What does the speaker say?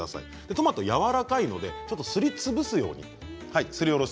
トマトは、やわらかいのですりつぶすようにすりおろす。